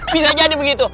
bisa jadi begitu